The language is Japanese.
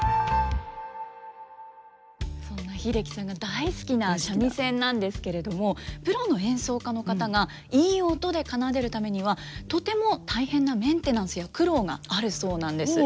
そんな英樹さんが大好きな三味線なんですけれどもプロの演奏家の方がいい音で奏でるためにはとても大変なメンテナンスや苦労があるそうなんです。